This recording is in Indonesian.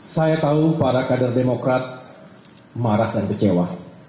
saya tahu para kader demokrat marah dan kecewa